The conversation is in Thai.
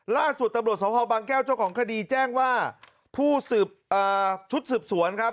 ล่าสุดตำรวจสมภาพบางแก้วเจ้าของคดีแจ้งว่าผู้สืบชุดสืบสวนครับ